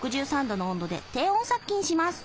６３℃の温度で低温殺菌します。